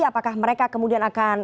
apakah mereka kemudian akan